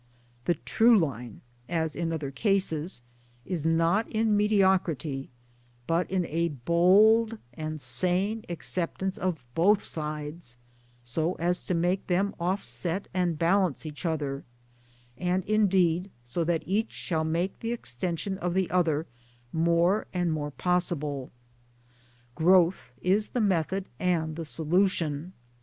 The true line (as in other cases) TRADE AND PHILOSOPHY 145 is not in mediocrity, but in a bold and sane accept ance of both sides, so as to make them offset and balance each other, and indeed so that each shall make the extension of the other more and more possible. Growth is the method and the solution.